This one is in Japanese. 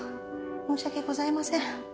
申し訳ございません。